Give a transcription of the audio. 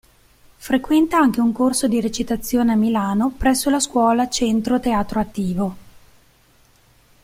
Frequenta anche un corso di recitazione a Milano presso la scuola Centro Teatro Attivo.